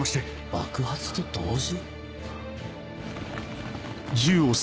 爆発と同時？